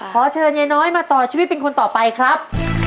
ขอเชิญยายน้อยมาต่อชีวิตเป็นคนต่อไปครับ